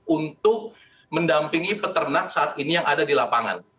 untuk mendampingi peternak saat ini yang ada di lapangan